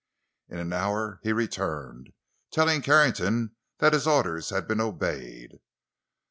In an hour he returned, telling Carrington that his orders had been obeyed.